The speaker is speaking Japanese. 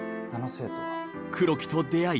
黒木と出会い